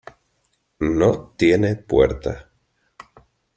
No tiene puerta.